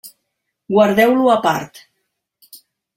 Guardeu-lo a part.